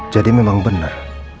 jadi memang benar